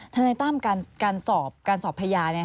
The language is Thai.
ทันในตามการสอบพยาน